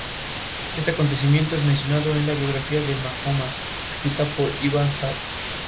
Fue perseguido en un libelo acusatorio por Maxwell, pero ganó el caso por apelación.